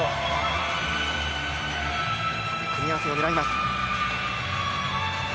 組み合わせを狙います。